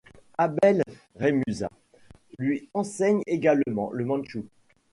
Abel Rémusat lui enseigne également le mandchou.